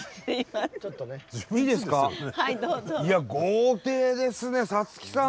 いや豪邸ですね五月さん。